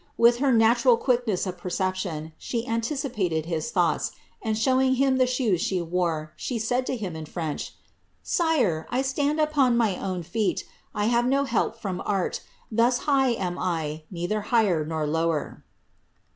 With her natural quickness of perception, she anticipated his thoughts, and, showing him the shoes she wore, she said to him in French, ^ Sire, I stand upon mine own feet ; 1 have no help from art ; thus high am I, neither higher nor lower."